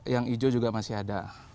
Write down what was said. yang hijau juga masih ada